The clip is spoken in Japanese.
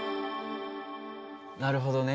なるほどね。